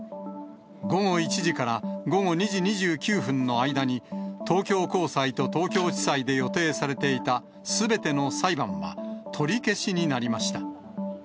午後１時から午後２時２９分の間に、東京高裁と東京地裁で予定されていたすべての裁判は取り消しになりました。